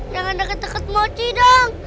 jangan deket deket moci dong